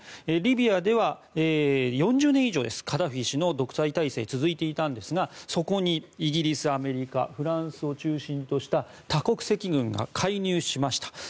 リビアでは４０年以上カダフィ氏の独裁体制が続いていたんですがそこにイギリス、アメリカ、フランスを中心とした多国籍軍が介入しました。